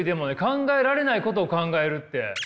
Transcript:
「考えられないことを考える」って。